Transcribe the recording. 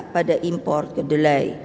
pada impor kedelai